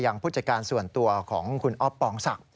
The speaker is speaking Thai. ผู้จัดการส่วนตัวของคุณอ๊อฟปองศักดิ